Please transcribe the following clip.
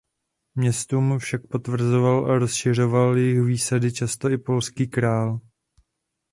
Městům však potvrzoval a rozšiřoval jejich výsady často i polský král.